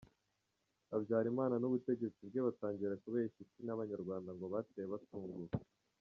Habyarimana n’ubutegetsi bwe batangira kubeshya isi n’abanyarwanda ngo batewe batunguwe.